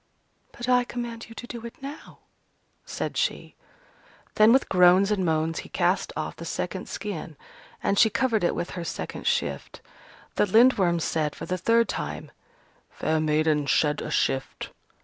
"But I command you to do it now," said she. Then with groans and moans he cast off the second skin: and she covered it with her second shift. The Lindworm said for the third time, "Fair maiden, shed a shift."